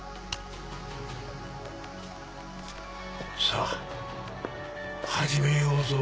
さぁ始めようぞ。